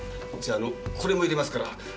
あのこれも入れますから。